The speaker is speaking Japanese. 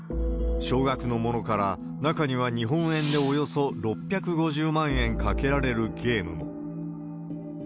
少額のものから、中には日本円でおよそ６５０万円賭けられるゲームも。